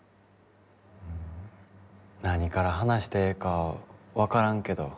何から話してええか分からんけど。